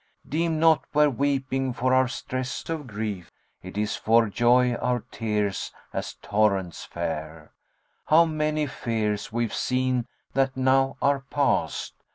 Deem not we're weeping for our stress of grief;* It is for joy our tears as torrents fare: How many fears we've seen that now are past!